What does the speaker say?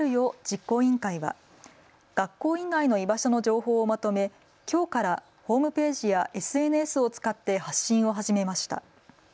実行委員会は学校以外の居場所の情報をまとめきょうからホームページやＳＮＳを使って発信を始めました。